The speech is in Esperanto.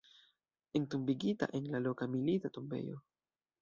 Entombigita en la loka Milita Tombejo.